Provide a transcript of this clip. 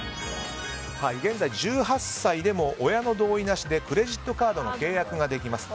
現在、１８歳でも親の同意なしでクレジットカードの契約ができます。